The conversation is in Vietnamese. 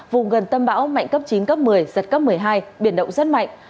vùng gần tâm bão mạnh cấp chín cấp một mươi giật cấp một mươi hai biển động rất mạnh